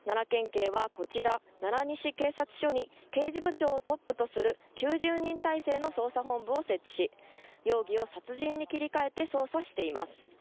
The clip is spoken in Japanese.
警はこちら奈良西警察署に刑事部長をトップとする９０人態勢の捜査本部を設置し容疑を殺人に切り替えて捜査しています。